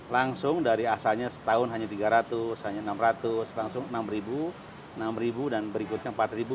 langsung dari asalnya setahun hanya tiga ratus hanya enam ratus langsung enam enam ribu dan berikutnya empat